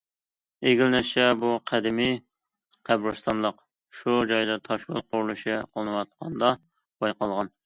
ئىگىلىنىشىچە، بۇ قەدىمىي قەبرىستانلىق شۇ جايدا تاشيول قۇرۇلۇشى قىلىنىۋاتقاندا بايقالغان.